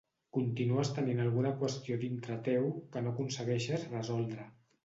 Continues tenint alguna qüestió dintre teu que no aconsegueixes resoldre